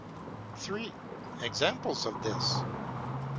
Examples of this.